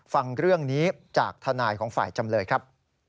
ฟังเรื่องนี้จากทนายของฝ่ายจำเลยครับ